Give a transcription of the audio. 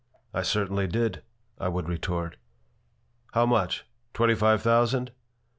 "I certainly did," I would retort. "How much? Twenty five thousand?"